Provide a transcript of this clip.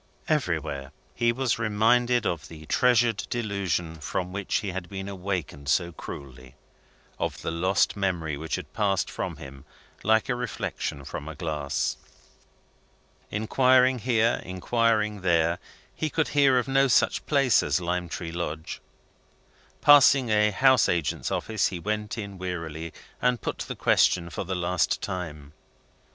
Everywhere, he was reminded of the treasured delusion from which he had been awakened so cruelly of the lost memory which had passed from him like a reflection from a glass. Inquiring here, inquiring there, he could hear of no such place as Lime Tree Lodge. Passing a house agent's office, he went in wearily, and put the question for the last time.